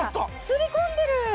すり込んでる！